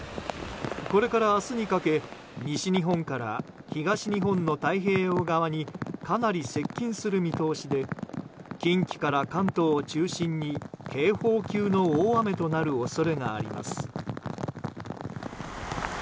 これから明日にかけ西日本から東日本の太平洋側にかなり接近する見通しで近畿から関東を中心に警報級の大雨となる恐れがあります。